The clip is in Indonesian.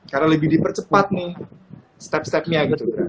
karena lebih dipercepat nih step stepnya